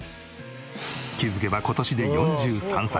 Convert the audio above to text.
気づけば今年で４３歳。